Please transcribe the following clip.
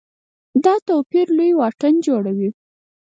دا توپیر لوی واټن جوړوي.